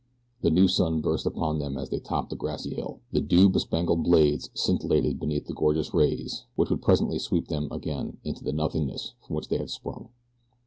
The new sun burst upon them as they topped a grassy hill. The dew bespangled blades scintillated beneath the gorgeous rays which would presently sweep them away again into the nothingness from which they had sprung.